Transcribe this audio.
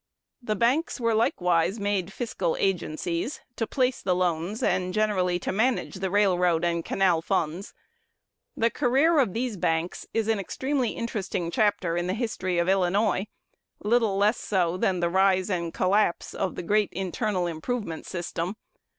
The banks were likewise made fiscal agencies, to place the loans, and generally to manage the railroad and canal funds. The career of these banks is an extremely interesting chapter in the history of Illinois, little less so than the rise and collapse of the great internal improvement system.